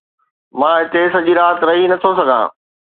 مان هتي سڄي رات رهي نه ٿو سگهان